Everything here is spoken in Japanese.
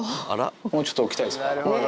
もうちょっと置きたいですか？ね。